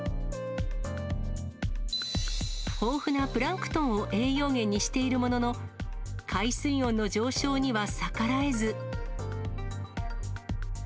豊富なプランクトンを栄養源にしているものの、海水温の上昇には逆らえず。